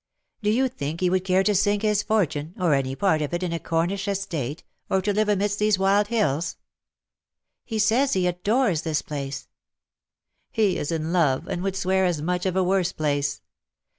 ^^" Do you think he would care to sink his fortune, or any part of it, in a Cornish estate, or to live amidst these wild hills ?'■'" He says he adores this place. ^^^•' He is in love, and would swear as much of a worse place.